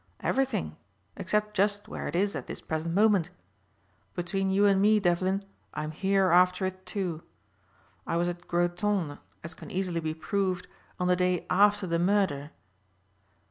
"Everything except just where it is at this present moment. Between you and me, Devlin, I'm here after it too. I was at Groton, as can easily be proved, on the day after the murder."